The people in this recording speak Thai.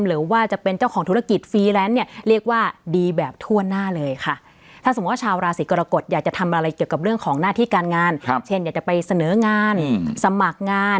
หรือว่าจะเป็นเจ้าของธุรกิจฟรีแลนซ์เนี่ยเรียกว่าดีแบบทั่วหน้าเลยค่ะ